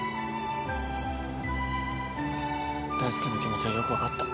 大介の気持ちはよく分かった。